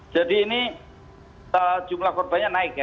jadi ini jumlah korbannya naik ya